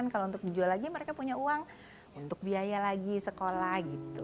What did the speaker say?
kalau untuk dijual lagi mereka punya uang untuk biaya lagi sekolah gitu